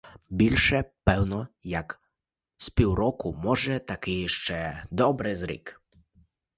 Більше, певно, як з півроку, може, таки ще добре з рік.